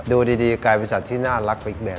ดูดีกลายเป็นสัตว์ที่น่ารักไปอีกแบบ